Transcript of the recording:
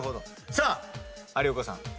さあ有岡さん。